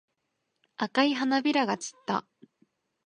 赤い花びらが散った。